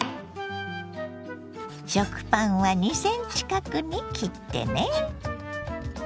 食パンは２ｃｍ角に切ってね。